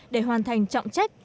để hoàn thành trọng trách